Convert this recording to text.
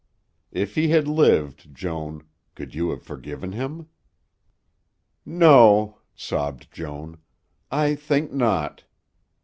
If he had lived, Joan, could you have forgiven him?" "No," sobbed Joan; "I think not."